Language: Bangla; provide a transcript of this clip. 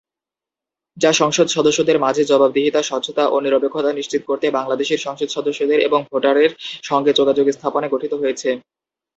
যা সংসদ সদস্যদের মাঝে জবাবদিহিতা, স্বচ্ছতা ও নিরপেক্ষতা নিশ্চিত করতে বাংলাদেশের সংসদ সদস্যদের এবং ভোটারের সঙ্গে যোগাযোগ স্থাপনে গঠিত হয়েছে।